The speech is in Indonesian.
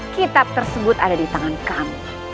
kitab tersebut ada di tangan kami